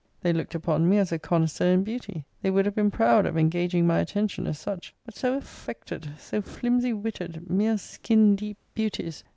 They looked upon me as a connoisseur in beauty. They would have been proud of engaging my attention, as such: but so affected, so flimsy witted, mere skin deep beauties!